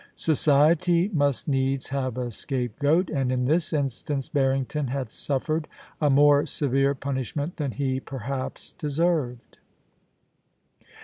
Society must needs have a scapegoat, and in this instance Barrington had suffered a more severe pun ishment than he perhaps deserved.